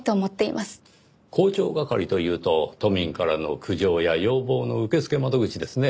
広聴係というと都民からの苦情や要望の受付窓口ですねぇ。